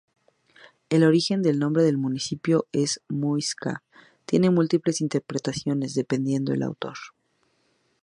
El origen del nombre del municipio es muisca, tiene múltiples interpretaciones dependiendo del autor.